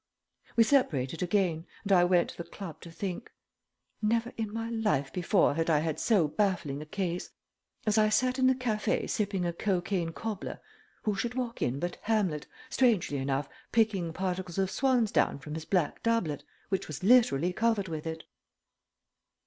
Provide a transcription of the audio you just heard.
We separated again and I went to the club to think. Never in my life before had I had so baffling a case. As I sat in the cafe sipping a cocaine cobbler, who should walk in but Hamlet, strangely enough picking particles of swan's down from his black doublet, which was literally covered with it.